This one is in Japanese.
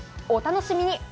お楽しみに。